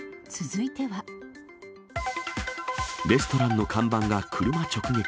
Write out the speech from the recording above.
レストランの看板が車直撃。